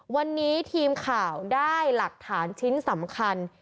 วันนี้ทีมข่าวได้หลักฐานชิ้นสำคัญ